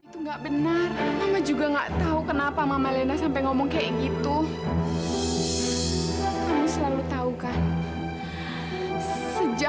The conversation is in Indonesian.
sampai jumpa di video selanjutnya